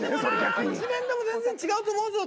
１年でも全然違うと思うぞ。